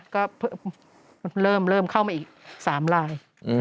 ก็เริ่มเข้ามาอีก๓ลาย